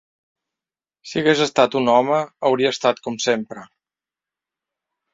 Si hagués estat un home, hauria estat com sempre.